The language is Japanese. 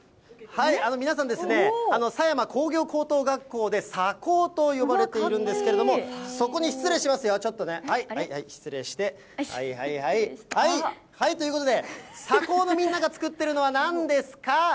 皆さんですね、狭山工業高等学校で狭工と呼ばれているんですけれども、そこに、失礼しますよ、ちょっとね、失礼して、はいはいはい、はい、はい、ということで、狭工の皆さんが作っているのはなんですか？